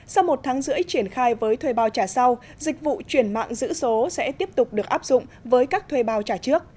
sau một tháng rưỡi triển khai với thuê bao trả sau dịch vụ chuyển mạng giữ số sẽ tiếp tục được áp dụng với các thuê bao trả trước